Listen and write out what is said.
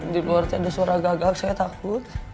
di luar ada suara gagak saya takut